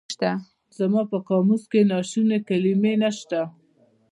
زما په قاموس کې د ناشوني کلمه نشته.